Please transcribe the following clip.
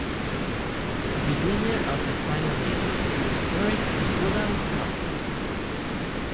The winner of the final lifts the historic Goodall Cup.